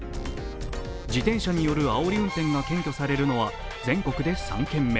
自転車によるあおり運転が検挙されるのは全国で３件目。